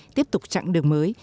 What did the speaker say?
tiếp tục chặn đường mới